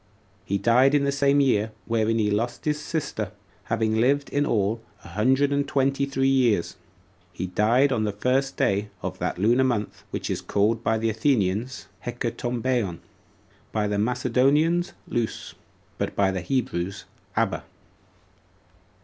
He died in the same year wherein he lost his sister, having lived in all a hundred twenty and three years. He died on the first day of that lunar month which is called by the Athenians Hecatombaeon, by the Macedonians Lous, but by the Hebrews Abba.